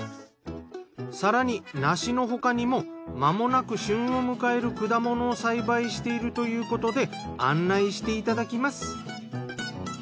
更に梨の他にもまもなく旬を迎える果物を栽培しているということで案内していただきます。